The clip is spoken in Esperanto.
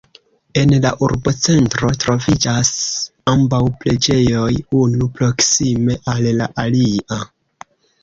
En la urbocentro troviĝas ambaŭ preĝejoj, unu proksime al la alia.